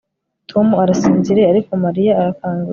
Tom arasinziriye ariko Mariya arakangutse